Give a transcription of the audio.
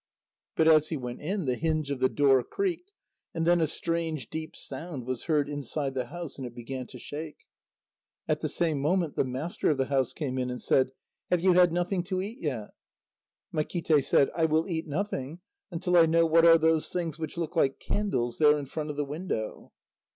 But as he went in, the hinge of the door creaked, and then a strange, deep sound was heard inside the house, and it began to shake. At the same moment, the master of the house came in and said: "Have you had nothing to eat yet?" Makíte said: "I will eat nothing until I know what are those things which look like candles, there in front of the window."